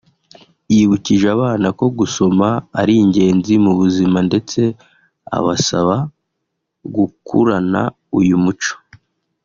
yibukije abana ko gusoma ari ingenzi mu buzima ndetse abasaba gukurana uyu muco